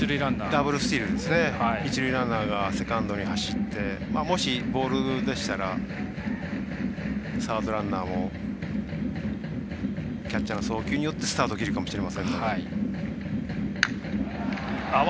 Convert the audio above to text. ダブルスチールですね一塁ランナーがセカンドに走ってもしボールでしたらサードランナーもキャッチャーの送球によってスタートできるかもしれないので。